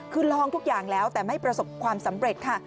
คือลองทุกอย่างแล้วแต่ไม่ประสบความสำเร็จค่ะ